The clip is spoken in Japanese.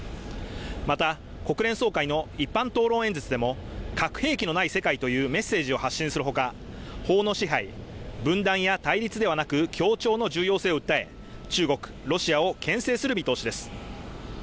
また国連総会の一般討論演説でも核兵器のない世界というメッセージを発信するほか法の支配分断や対立ではなく協調の重要性を訴え中国、ロシアを牽制する見通しです